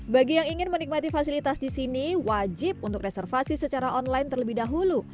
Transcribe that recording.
bagi yang ingin menikmati fasilitas di sini wajib untuk reservasi secara online terlebih dahulu